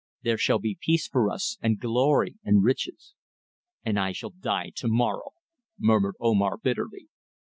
There shall be peace for us, and glory and riches." "And I shall die to morrow," murmured Omar, bitterly.